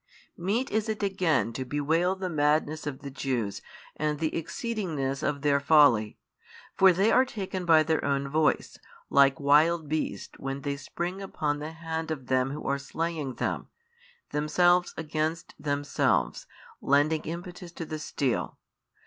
Meet is it again to bewail the madness of the Jews and the exceedingness of their folly. For they are taken by their own voice, like wild beasts when they spring upon the hand of them who are slaying them, themselves against themselves lending impetus to the steel.